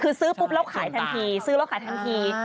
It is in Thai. คือซื้อปุ๊บแล้วขายทันที